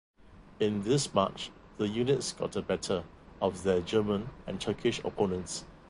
In this march the units got the better of their German and Turkish opponents.